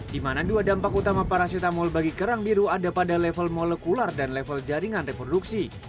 di mana dua dampak utama parasetamol bagi kerang biru ada pada level molekuler dan level jaringan reproduksi